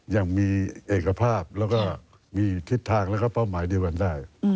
ยังมีเอกภาพแล้วก็มีทิศทางแล้วก็เป้าหมายเดียวกันได้